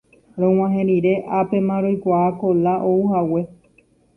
Rog̃uahẽ rire ápema roikuaa Kola ouhague.